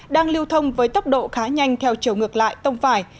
đang lưu thông với tốc độ khá nhanh theo chiều ngược lại tông phải